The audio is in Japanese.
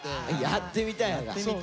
やってみたいのか。